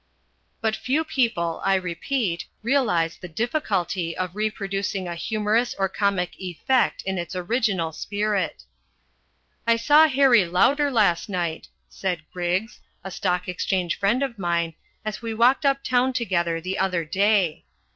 But few people, I repeat, realise the difficulty of reproducing a humorous or comic effect in its original spirit. "I saw Harry Lauder last night," said Griggs, a Stock Exchange friend of mine, as we walked up town together the other day.